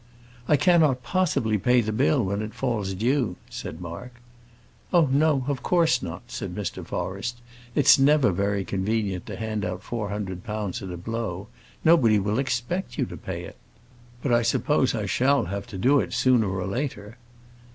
"I cannot possibly pay the bill when it falls due," said Mark. "Oh, no, of course not," said Mr. Forrest. "It's never very convenient to hand out four hundred pounds at a blow. Nobody will expect you to pay it!" "But I suppose I shall have to do it sooner or later?"